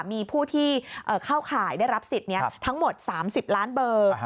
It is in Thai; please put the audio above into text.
มีผู้ที่เข้าข่ายได้รับสิทธิ์นี้ทั้งหมด๓๐ล้านเบอร์